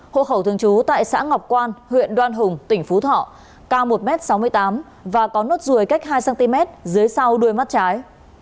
hộ khẩu thường trú tại xã ngọc quan huyện đoan hùng tỉnh phú thọ cao một m sáu mươi tám và có nốt ruồi cách hai cm dưới sau đuôi mắt trái